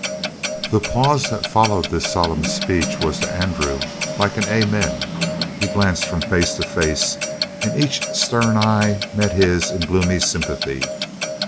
The pause that followed this solemn speech was to Andrew like an amen. He glanced from face to face, and each stern eye met his in gloomy sympathy.